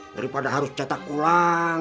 daripada harus cetak ulang